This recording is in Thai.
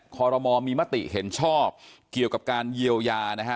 คอรมอลมีมติเห็นชอบเกี่ยวกับการเยียวยานะฮะ